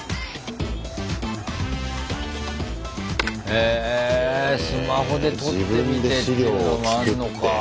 へぇスマホで撮ってみてっていうのもあんのかぁ。